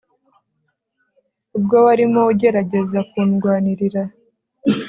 ubwo warimo ugerageza kundwanirira